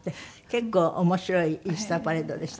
結構面白いイースターパレードでした。